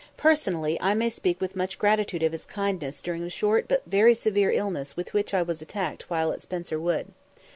Personally, I may speak with much gratitude of his kindness during a short but very severe illness with which I was attacked while at Spencer Wood.